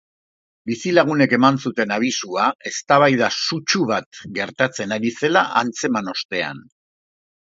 Bizilagunek eman zuten abisua, eztabaida sutsu bat gertatzen ari zela antzeman ostean.